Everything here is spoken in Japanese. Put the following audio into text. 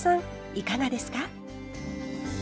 いかがですか？